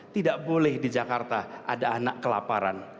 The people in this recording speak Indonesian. tidak boleh di jakarta ada anak kelaparan